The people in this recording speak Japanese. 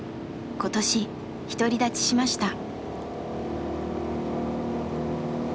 今年独り立ちしました。